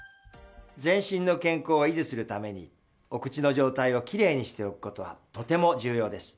全身の健康を維持するためにお口の状態をきれいにしておくことは、とても重要です。